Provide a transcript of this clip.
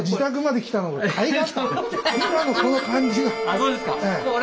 そうですか？